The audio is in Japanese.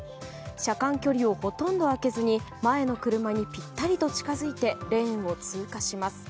車間距離はほとんど空けずに前の車にぴったりと近づいてレーンを通過します。